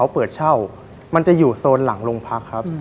ผิดถึงโรงพักครับ